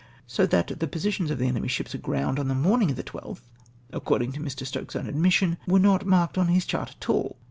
So that the positions of the enemy's ships aground on the morning of the 12th, according to Mr. Stokes's own admission, were not marked on his chart at cdl!